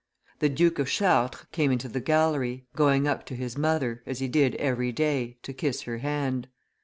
The Duke of Chartres came into the gallery, going up to his mother, as he did every day, to kiss her hand.